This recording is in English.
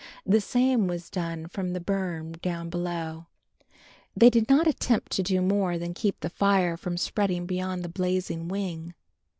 The same was done from the burn down below. They did not attempt to do more than keep the fire from spreading beyond the blazing wing.